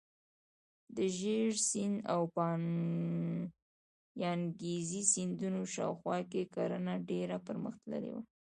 د ژیړ سیند او یانګزي سیندونو شاوخوا کې کرنه ډیره پرمختللې وه.